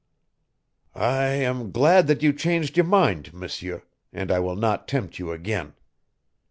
"I am glad that you changed your mind, M'seur, and I will not tempt you again.